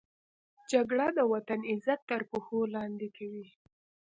جګړه د وطن عزت تر پښو لاندې کوي